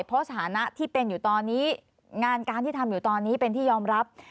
เพราะสถานะที่เป็นอยู่ตอนนี้งานการที่ทำอยู่ตอนนี้เป็นที่ยอมรับ